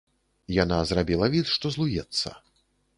Яна зрабіла від, што злуецца.